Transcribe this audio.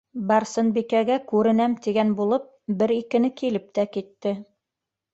Барсынбикәгә күренәм тигән булып, бер-икене килеп тә китте.